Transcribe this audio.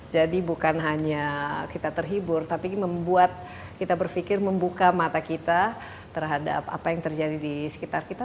jadi bukan hanya kita terhibur tapi membuat kita berfikir membuka mata kita terhadap apa yang terjadi di sekitar kita